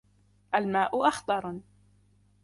الماء أخضر.